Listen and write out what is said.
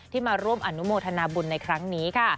มาร่วมอนุโมทนาบุญในครั้งนี้ค่ะ